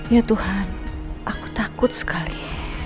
ya tuhan aku takut sekali